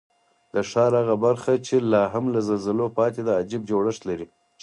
د ښار هغه برخه چې لا هم له زلزلو پاتې ده، عجیب جوړښت لري.